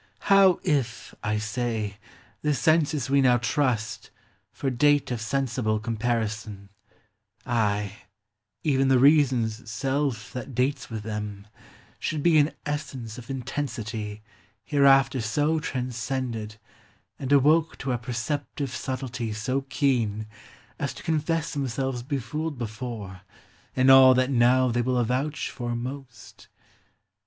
How if, I say, the senses we now trust For date of sensible comparison, — Ay, ev'n the Reason's self that dates with them, Should be in essence of intensity Hereafter so transcended, and awoke To a perceptive subtlety so keen As to confess themselves befooled before, In all that now they will avouch for most?